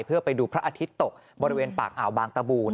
เพื่อไปดูพระอาทิตย์ตกบริเวณปากอ่าวบางตะบูน